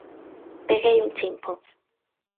Peguei un chimpo.